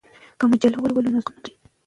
که مجله ولولو نو ذوق نه مري.